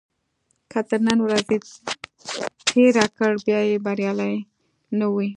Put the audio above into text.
که تر نن ورځې تېره کړه بیا بریالی نه وي.